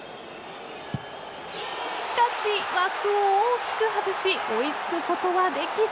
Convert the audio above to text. しかし、枠を大きく外し追いつくことはできず。